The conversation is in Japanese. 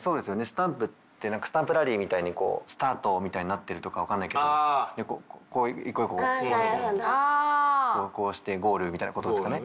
スタンプってスタンプラリーみたいにスタートみたいになっているとか分かんないけどこう一個一個こうしてゴールみたいなことですかね？